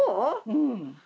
うん。